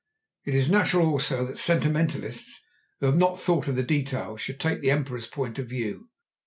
It is natural also that sentimentalists who have not thought of the details should take the Emperor's point of view.